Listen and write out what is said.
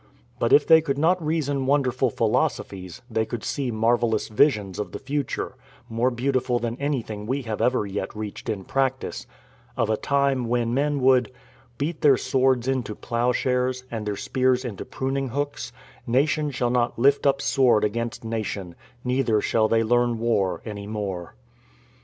But if they could not reason wonderful philosophies, they could see marvellous visions of the future — more beautiful than anything we have ever yet reached in practice — of a time when men would " Beat their swords into ploughshares, And their spears into prunning hooks : Nation shall not lift up sword against nation, Neither shall they learn war any more."